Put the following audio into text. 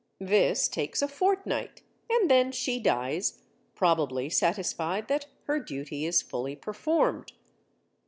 This takes a fortnight, and then she dies, probably satisfied that her duty is fully performed.